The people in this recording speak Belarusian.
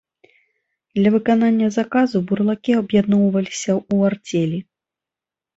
Для выканання заказу бурлакі аб'ядноўваліся ў арцелі.